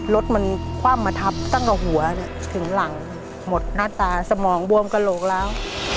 รถมันคว่ำมาทับตั้งแต่หัวถึงหลังหมดหน้าตาสมองบวมกระโหลกแล้ว